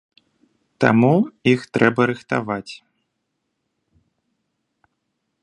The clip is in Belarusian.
Таму, іх трэба рыхтаваць.